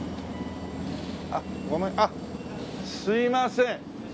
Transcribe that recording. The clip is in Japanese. あっあっすいません。